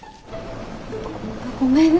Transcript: ごめんね。